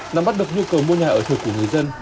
nằm bắt được nhu cầu mua nhà ở thợ của người dân